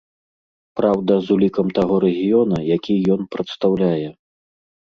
Праўда, з улікам таго рэгіёна, які ён прадстаўляе.